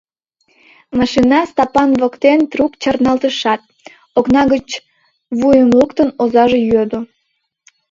Машина Стапан воктен трук чарналтышат, окна гыч вуйым луктын, озаже йодо: